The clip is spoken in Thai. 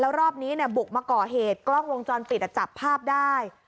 แล้วรอบนี้เนี้ยบุกมะก่อเหตุกล้องวงจรปิดอ่ะจับภาพได้